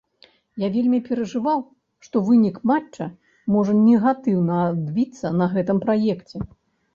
Я вельмі перажываў, што вынік матча можа негатыўна адбіцца на гэтым праекце.